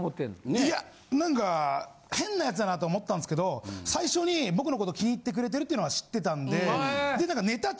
いやなんか変な奴だなと思ったんですけど最初に僕のこと気に入ってくれてるっていうのは知ってたんででなんか。